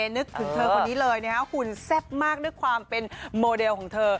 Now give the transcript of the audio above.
นึกถึงเธอคนนี้เลยนะครับหุ่นแซ่บมากด้วยความเป็นโมเดลของเธอ